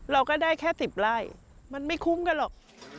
เราก็ได้แค่๑๐ไร่มันไม่คุ้มกันหรอก